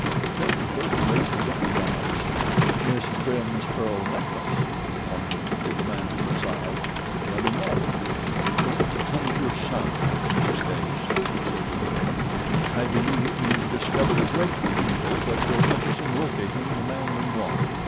Detective Burton raised his eyebrows. "Miss Prim's pearl necklace," he commented to the man at his side. The other nodded. "Don't punish your son, Mrs. Case," he said to the woman. "I believe he has discovered a great deal that will help us in locating the man we want.